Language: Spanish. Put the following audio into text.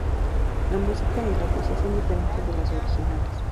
La música y las voces son diferentes de las originales.